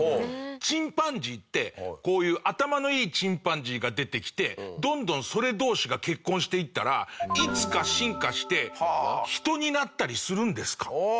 チンパンジーって、こういう頭のいいチンパンジーが出てきてどんどんそれ同士が結婚していったらいつか進化して人になったりするんですか？